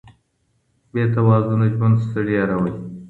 بې توازنه ژوند ستړیا راولي.